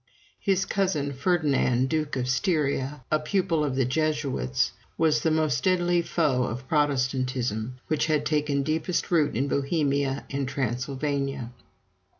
His cousin Ferdinand, Duke of Styria, a pupil of the Jesuits, was the most deadly foe of Protestantism, which had taken deepest root in Bohemia and Transylvania.